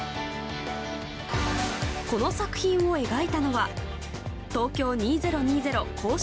この作品を描いたのは東京２０２０公式